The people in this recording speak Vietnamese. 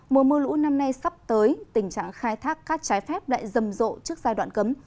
mùa mưa lũ năm nay sắp tới tình trạng khai thác cát trái phép lại rầm rộ trước giai đoạn cấm